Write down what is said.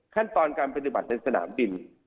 ขั้นตอนการปฏิบัติในสนามบิน